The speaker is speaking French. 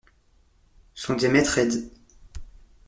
Son diamètre est d'.